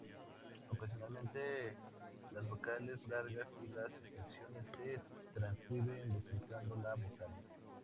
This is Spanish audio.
Ocasionalmente las vocales largas en las inscripciones se transcriben duplicando la vocal.